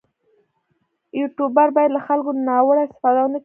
یوټوبر باید له خلکو ناوړه استفاده ونه کړي.